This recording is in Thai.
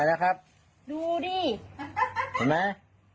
ดูดิเห็นมั้ย